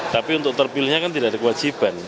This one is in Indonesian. tapi untuk terpilihnya kan tidak ada kewajiban